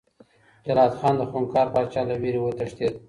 جلات خان د خونکار پاچا له ویرې وتښتېد.